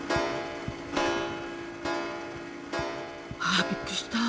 あびっくりした。